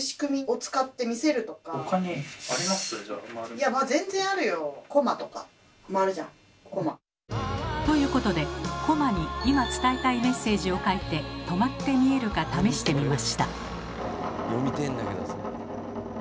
いやまだ全然あるよ。ということでコマに今伝えたいメッセージを書いて止まって見えるか試してみました。